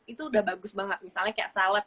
itu udah bagus banget misalnya kayak salad